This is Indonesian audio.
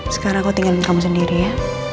sekarang aku tinggalin kamu sendiri ya